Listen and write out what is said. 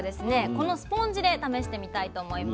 このスポンジで試してみたいと思います。